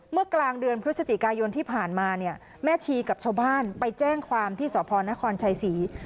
เมื่อกลางเดือนพฤศจิกายนที่ผ่านมาเนี่ยแม่ชีกับชาวบ้านไปแจ้งความที่สพนครชัยศรี